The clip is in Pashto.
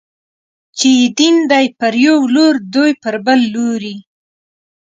چې يې دين دی، پر يو لور دوی پر بل لوري